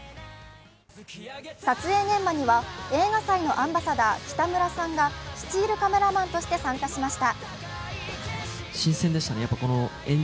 撮影現場には映画祭のアンバサダー・北村さんがスチールカメラマンとして参加しました。